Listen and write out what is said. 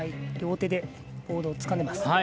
両手でボードをつかんでます。